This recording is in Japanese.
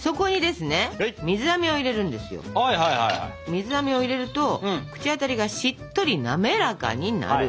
水あめを入れると口当たりがしっとりなめらかになる。